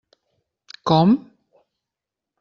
Com?